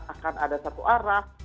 akan ada satu arah